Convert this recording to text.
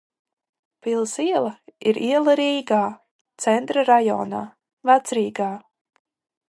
Pils iela ir iela Rīgā, Centra rajonā, Vecrīgā.